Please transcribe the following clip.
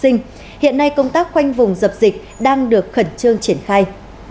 học sinh hiện nay công tác quanh vùng dập dịch đang được khẩn trương triển khai